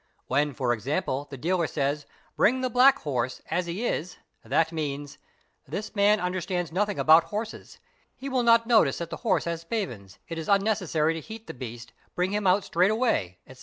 When for example the dealer ASSISTANTS 815 _ says " Bring the black horse, as he is'', that means;—'' This man under stands nothing about horses, he will not notice that the horse has spavins, it is unnecessary to heat the beast, bring him out straight away, etc.